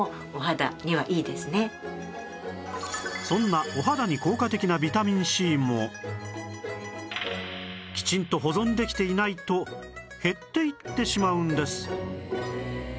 そんなお肌に効果的なビタミン Ｃ もきちんと保存できていないと減っていってしまうんです